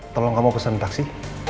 tolong kamu kesana taksi